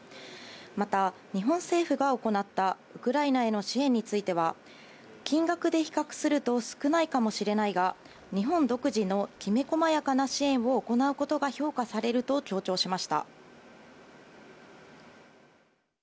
また、日本政府が行ったウクライナへの支援については、金額で比較すると少ないかもしれないが、日本独自のきめこまやかな支援を行うことが評価されると強調しま